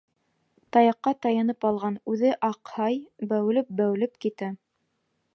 Таяҡҡа таянып алған, үҙе аҡһай, бәүелеп-бәүелеп китә.